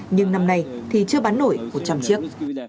nhưng năm nay thì chưa bán nổi một trăm linh chiếc